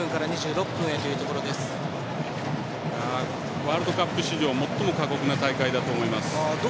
ワールドカップ史上最も過酷な大会だと思います。